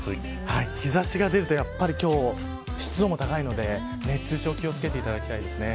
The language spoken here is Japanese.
日差しが出ると今日は湿度も高いので熱中症に気を付けていただきたいですね。